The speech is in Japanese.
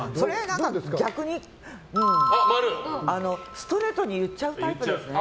ストレートに言っちゃうタイプですね。